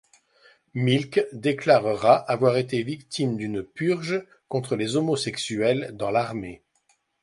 Milk déclarera avoir été victime d'une purge contre les homosexuels dans l'armée.